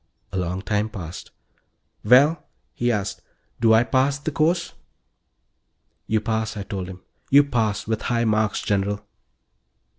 A long time passed. "Well," he asked, "do I pass the course?" "You pass," I told him. "You pass with high marks, General."